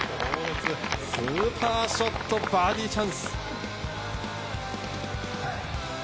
スーパーショットバーディーチャンス！